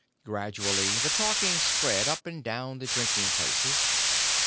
Gradually the talking spread up and down the drinking places.